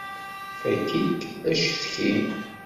Fakk-ik acetki!